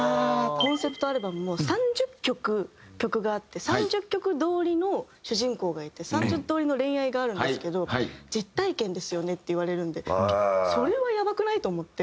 コンセプトアルバムも３０曲曲があって３０曲通りの主人公がいて３０通りの恋愛があるんですけど「実体験ですよね？」って言われるんでそれはやばくない？と思って。